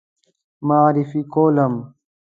معرفي کولم.